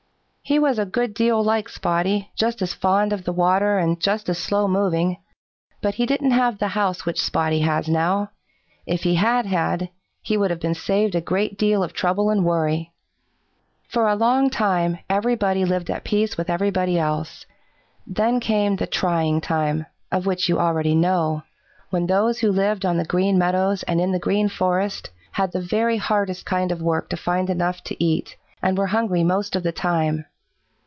"He was a good deal like Spotty, just as fond of the water and just as slow moving, but he didn't have the house which Spotty has now. If he had had, he would have been saved a great deal of trouble and worry. For a long time everybody lived at peace with everybody else. Then came the trying time, of which you already know, when those who lived on the Green Meadows and in the Green Forest had the very hardest kind of work to find enough to eat, and were hungry most of the time.